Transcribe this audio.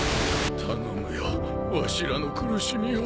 頼むよわしらの苦しみを。